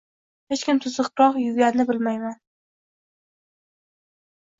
Hech kim tuzukroq yuvganini bilmayman.